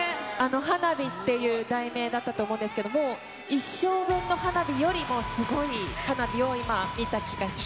花火っていう題名だったと思うんですけど、一生分の花火よりもすごい花火を今、見た気がします。